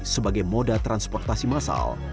sebagai moda transportasi massal